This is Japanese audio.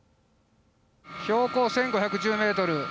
標高１５１０メートル